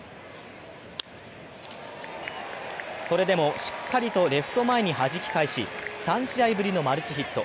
それでもしっかりとレフト前にはじき返し３試合ぶりのマルチヒット。